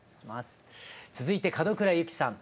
続いて門倉有希さん